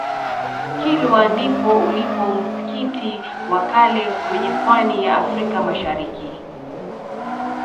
kilwa ndipo ulipo msikiti wa kale kwenye pwani ya africa mashariki